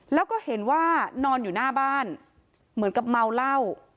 แล้วก็เห็นว่านอนอยู่หน้าบ้านเหมือนกับเมาเหล้า